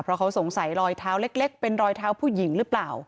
เพราะเขาสงสัยรอยเท้าเล็กเป็นรอยเท้าผู้หญิงหรือเปล่า